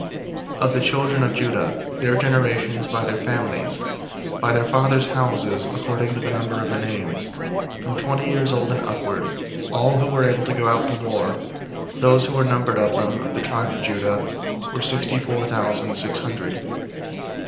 001:026 Of the children of Judah, their generations, by their families, by their fathers' houses, according to the number of the names, from twenty years old and upward, all who were able to go out to war; 001:027 those who were numbered of them, of the tribe of Judah, were sixty four thousand six hundred.